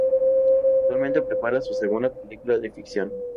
Actualmente prepara su segunda película de ficción.